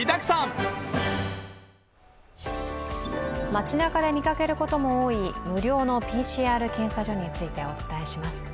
街なかで見かけることも多い無料のＰＣＲ検査所についてお伝えします。